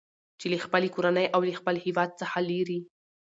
چې له خپلې کورنۍ او له خپل هیواد څخه لېرې